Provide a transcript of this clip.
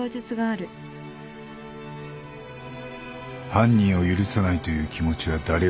犯人を許さないという気持ちは誰よりも強い。